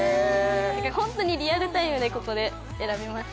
ホントにリアルタイムでここで選びました